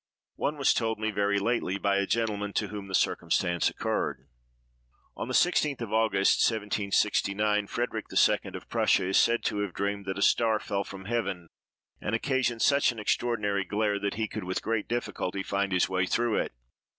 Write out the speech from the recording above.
One was told me very lately by a gentleman to whom the circumstances occurred. On the 16th of August, 1769, Frederick II., of Prussia, is said to have dreamed that a star fell from heaven and occasioned such an extraordinary glare that he could with great difficulty find his way through it.